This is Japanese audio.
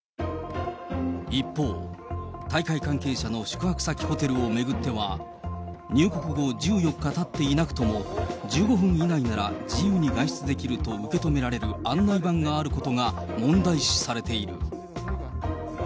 一方、大会関係者の宿泊先ホテルを巡っては、入国後１４日たっていなくとも、１５分以内なら自由に外出できると受け止められる案内板があることが問題視されている。